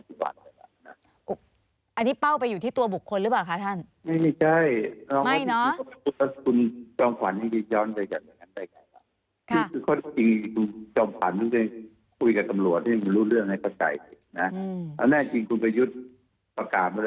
ตั้งแต่ปี๕๗นี่แหละเป็นตอนมาครับเป็นปัจจุบัน